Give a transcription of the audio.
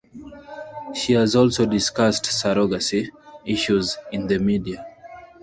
She has also discussed surrogacy issues in the media.